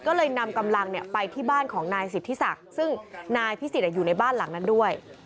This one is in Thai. ก็เลยนำกำลังไปที่บ้านของนายสิทธิศักดิ์ซึ่งนายพิสิทธิ์อยู่ในบ้านหลังนั้นด้วย